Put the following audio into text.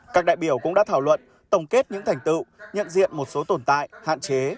các đại biểu cũng đã thảo luận tổng kết những thành tựu nhận diện một số tồn tại hạn chế